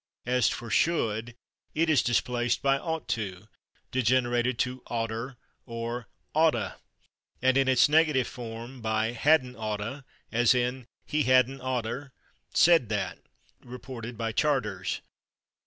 As for /should/, it is displaced by /ought to/ (degenerated to /oughter/ or /ought'a/), and in its negative form by /hadn't ought'a/, as in "he /hadn't oughter/ said that," reported by Charters.